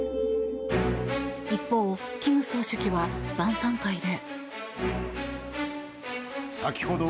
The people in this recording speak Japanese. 一方、金総書記は晩さん会で。